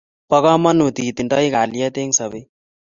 Bo kamanut iting'doi kalyet eng' sobet